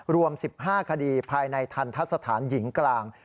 รวม๑๕คดีภายในทันทะสถานหญิงกลาง